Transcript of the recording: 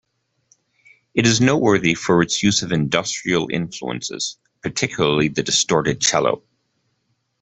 It is noteworthy for its use of industrial influences, particularly the distorted cello.